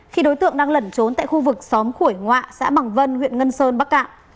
khi đối tượng đang lẩn trốn tại khu vực xóm khuổi ngạ xã bằng vân huyện ngân sơn bắc cạn